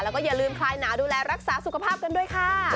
แล้วก็อย่าลืมคลายหนาวดูแลรักษาสุขภาพกันด้วยค่ะ